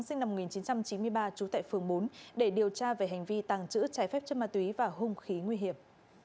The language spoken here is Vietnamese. sinh năm một nghìn chín trăm chín mươi ba trú tại phường bốn để điều tra về hành vi tàng trữ trái phép chất ma túy và hung khí nguy hiểm